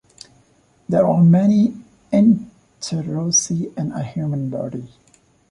There are many interossei in a human body.